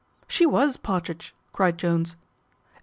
"She was, Partridge," cried Jones.